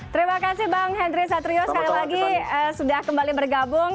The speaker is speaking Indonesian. terima kasih bang henry satrio sekali lagi sudah kembali bergabung